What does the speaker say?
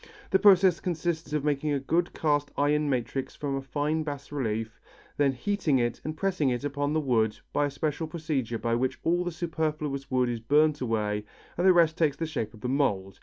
The process consists of making a good cast iron matrix from a fine bas relief, then heating it and pressing it upon the wood by a special procedure by which all the superfluous wood is burnt away and the rest takes the shape of the mould.